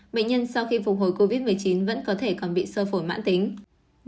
bệnh nhân sau khi phục hồi covid một mươi chín vẫn có thể còn bị sơ phổi mãn tính